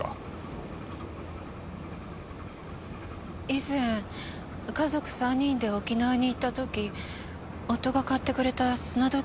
以前家族３人で沖縄に行った時夫が買ってくれた砂時計です。